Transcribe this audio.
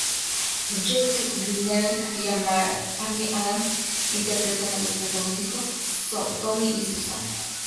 Jake Gyllenhaal y Amy Adams interpretan a los protagonistas, Tony y Susan.